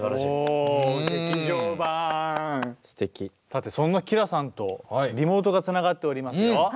さてそんなＫｉｒａさんとリモートがつながっておりますよ。